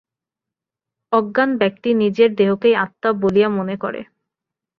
অজ্ঞান ব্যক্তি নিজের দেহকেই আত্মা বলিয়া মনে করে।